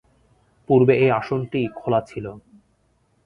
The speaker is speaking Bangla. পূর্বে এই আসনটি খোলা ছিল।